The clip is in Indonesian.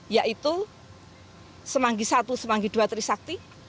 yaitu semanggi i semanggi ii trisakti